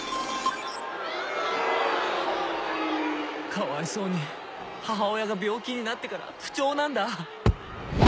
「かわいそうに母親が病気になってから不調なんだ」